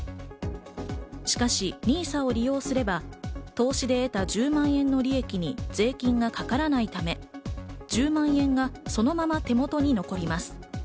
しかし、ＮＩＳＡを利用すれば、投資で得た１０万円の利益に税金がかからないため、１０万円がそのまま手元に残ります。